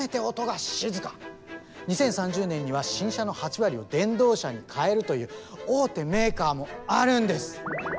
２０３０年には新車の８割を電動車に変えるという大手メーカーもあるんです。